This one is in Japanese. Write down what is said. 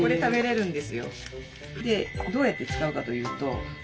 でどうやって使うかというと。